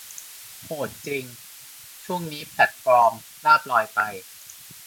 โหดจริง ช่วงนี้แพลตฟอร์มลาภลอยไป